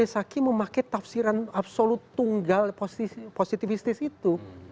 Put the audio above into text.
taki memakai tafsiran absolut tunggal positivistis itu